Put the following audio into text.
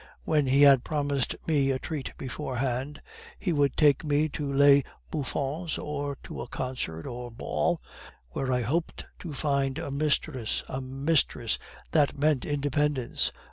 When he had promised me a treat beforehand, he would take me to Les Boufoons, or to a concert or ball, where I hoped to find a mistress.... A mistress! that meant independence.